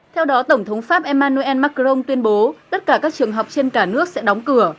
theo đó tổng thống pháp emmanuel macron tuyên bố tất cả các trường học trên cả nước sẽ đóng cửa